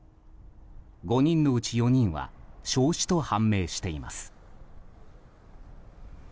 ５人のうち４人は焼死と判明しています。